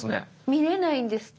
見れないんですって。